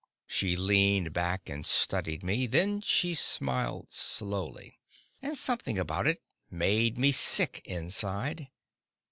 She leaned back and studied me. Then she smiled slowly, and something about it made me sick inside.